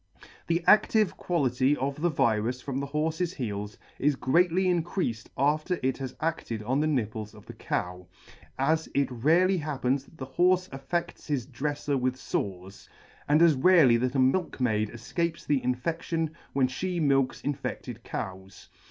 The C 45 ] The adtive quality of the virus from the horfes' heels is greatly increafed after it has adted on the nipples of the cow, as it rarely happens that the horfe affedts his drefler with fores, and as rarely that a milk maid efcapes the infedtion when (lie milks infedled cows.